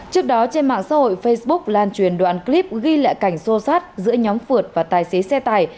trước đó trên mạng xã hội facebook lan truyền đoạn clip ghi lại cảnh sô sát giữa nhóm phượt và tài xế xe tải